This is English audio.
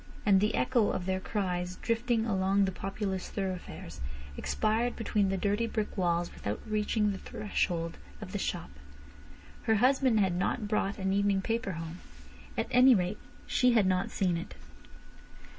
And the echo of their cries drifting along the populous thoroughfares, expired between the dirty brick walls without reaching the threshold of the shop. Her husband had not brought an evening paper home. At any rate she had not seen it.